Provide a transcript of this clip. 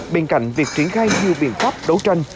bên cạnh việc triển khai nhiều biện pháp đấu tranh